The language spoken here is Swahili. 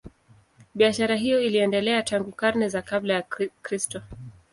Biashara hiyo iliendelea tangu karne za kabla ya Kristo.